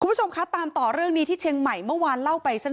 คุณผู้ชมคะตามต่อเรื่องนี้ที่เชียงใหม่เมื่อวานเล่าไปสั้น